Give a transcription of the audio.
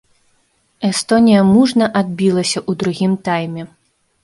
Эстонія мужна адбілася ў другім тайме.